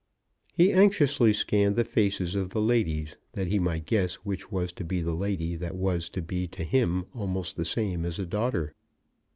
He anxiously scanned the faces of the ladies that he might guess which was to be the lady that was to be to him almost the same as a daughter.